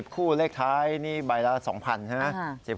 ๑๐คู่แรกท้ายนี่ใบละ๒๐๐๐ใช่ไหมครับ